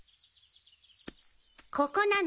ここなの。